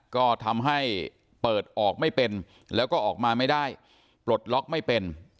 ก็ทำให้เปิดออกไม่เป็นแล้วก็ออกมาไม่ได้ปลดล็อกไม่เป็น